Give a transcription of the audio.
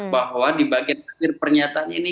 bahwa di bagian akhir pernyataan ini